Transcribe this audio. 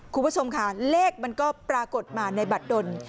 คุณผู้ชมค่ะเลขมันก็ปรากฏมาในบัตรดน